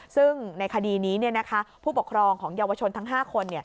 ซึ่งในคดีนี้ผู้ปกครองของเยาวชนทั้ง๕คน